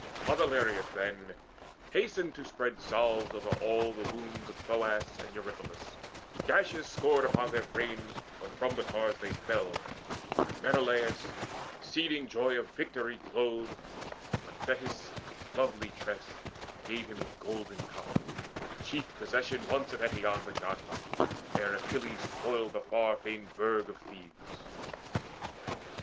Podaleirius then Hasted to spread salves over all the wounds Of Thoas and Eurypylus, gashes scored Upon their frames when from the cars they fell But Menelaus with exceeding joy Of victory glowed, when Thetis lovely tressed Gave him a golden cup, the chief possession Once of Eetion the godlike; ere Achilles spoiled the far famed burg of Thebes.